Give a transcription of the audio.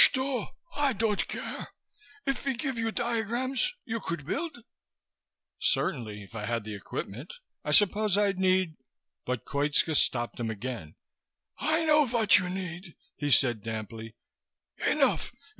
"Shto, I don't care. If ve gave you diagrams you could build?" "Certainly, if I had the equipment. I suppose I'd need " But Koitska stopped him again. "I know vot you need," he said damply. "Enough.